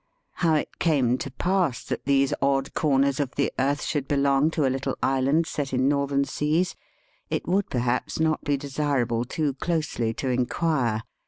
How^ it came to pass that these odd corners of the earth should belong to a little island set in northern seas, it would perhaps not be desir able too closely to inquire.